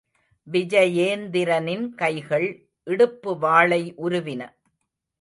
விஜயேந்திரனின் கைகள் இடுப்பு வாளை உருவின!